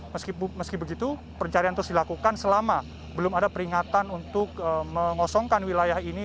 meski begitu pencarian terus dilakukan selama belum ada peringatan untuk mengosongkan wilayah ini